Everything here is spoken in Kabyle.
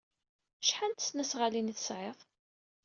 Acḥal n tesnasɣalin ay tesɛid?